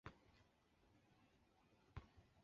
斯旺西海湾的海湾。